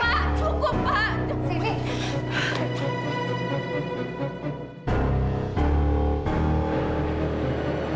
apa benchukmu pak